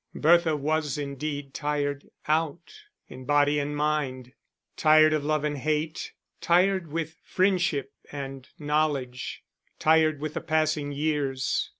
Bertha was indeed tired out, in body and mind, tired of love and hate, tired with friendship and knowledge, tired with the passing years.